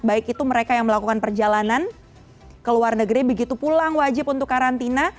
baik itu mereka yang melakukan perjalanan ke luar negeri begitu pulang wajib untuk karantina